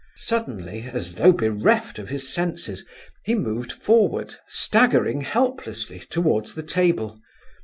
Suddenly, as though bereft of his senses, he moved forward, staggering helplessly, towards the table.